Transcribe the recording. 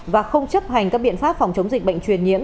và không chấp hành các biện pháp phòng chống dịch bệnh truyền nhiễm